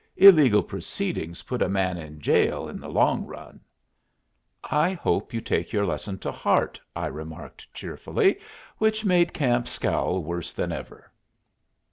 Illegal proceedings put a man in jail in the long run." "I hope you take your lesson to heart," I remarked cheerfully, which made Camp scowl worse than ever.